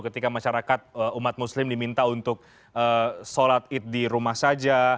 ketika masyarakat umat muslim diminta untuk sholat id di rumah saja